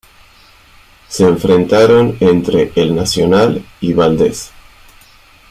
Se enfrentaron entre El Nacional y Valdez.